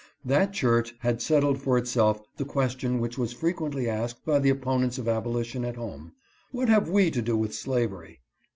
That Church had settled for itself the question which was frequently asked by the op ponents of abolition at home, " What have we to do with slavery?"